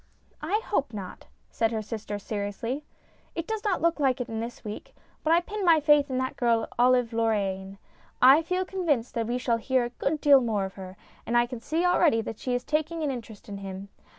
" I hope not," said her sister, seriously. " It does look like it this week, but I pin my faith in that girl, Olive Lorraine. I feel convinced that we shall hear a good deal more of her, and I can see already that she is taking an interest in him.